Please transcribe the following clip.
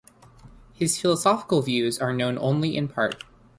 His philosophical views are known only in part.